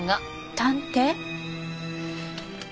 探偵？